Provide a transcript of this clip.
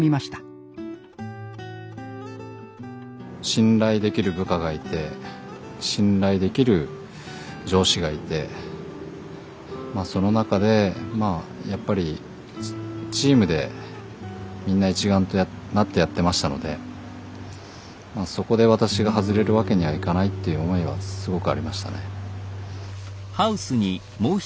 信頼できる部下がいて信頼できる上司がいてまあその中でまあやっぱりチームでみんな一丸となってやってましたのでまあそこで私が外れるわけにはいかないっていう思いはすごくありましたね。